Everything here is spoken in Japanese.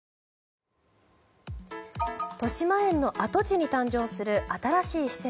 としまえんの跡地に誕生する新しい施設。